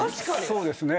そうですね。